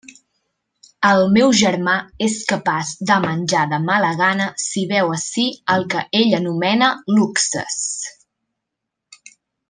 El meu germà és capaç de menjar de mala gana si veu ací el que ell anomena luxes.